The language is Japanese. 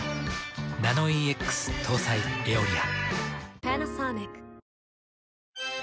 ナノイーＸ搭載「エオリア」。